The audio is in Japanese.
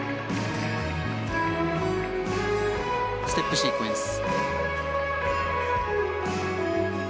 ステップシークエンス。